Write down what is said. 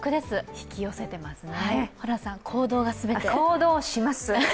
引き寄せてますね。